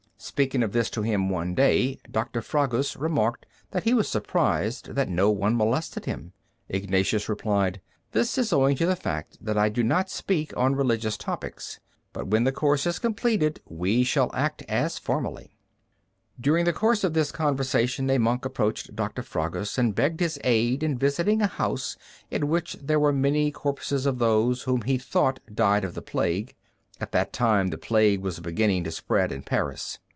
Speaking of this to him one day, Doctor Fragus remarked that he was surprised that no one molested him. Ignatius replied: "This is owing to the fact that I do not speak on religious topics. But when the course is completed, we shall act as formerly." During the course of this conversation a monk approached Doctor Fragus and begged his aid in visiting a house, in which there were many corpses of those whom he thought died of the plague. At that time the plague was beginning to spread in Paris.